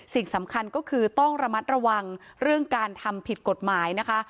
สิ่งสำคัญก็คือต้องระมัดระวังเรื่องการทำผิดกฎหมายนะคะ